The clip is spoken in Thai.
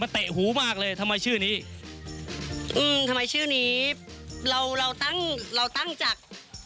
เตะหูมากเลยทำไมชื่อนี้อืมทำไมชื่อนี้เราเราตั้งเราตั้งจาก